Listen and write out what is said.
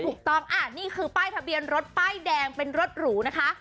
ถูกต้องนี่คือป้ายทะเบียนรถป้ายแดงเป็นรถหรูนะคะ